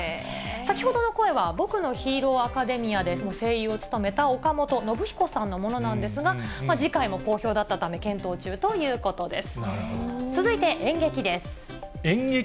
先ほどの声は、僕のヒーローアカデミアで声優を務めた岡本信彦さんのものなんですが、次回も、好評だったため検討中ということです。